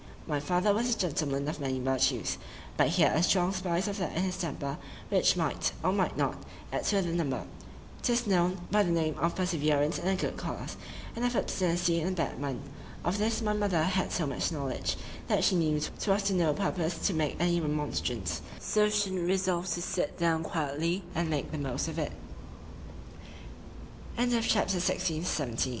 My father was a gentleman of many virtues,—but he had a strong spice of that in his temper, which might, or might not, add to the number.—'Tis known by the name of perseverance in a good cause,—and of obstinacy in a bad one: Of this my mother had so much knowledge, that she knew 'twas to no purpose to make any remonstrance,—so she e'en resolved to sit down quietly, and make th